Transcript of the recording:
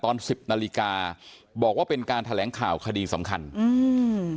สิบนาฬิกาบอกว่าเป็นการแถลงข่าวคดีสำคัญอืม